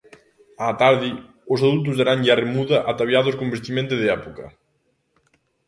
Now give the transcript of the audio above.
Á tarde os adultos daranlle a remuda ataviados con vestimenta de época.